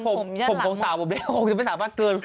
บังผมจะหลังผมของสาวผมแน่คุณแม่เข้ามาอีก